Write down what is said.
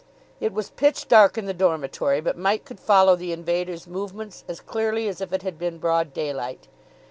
It was pitch dark in the dormitory, but Mike could follow the invaders' movements as clearly as if it had been broad daylight.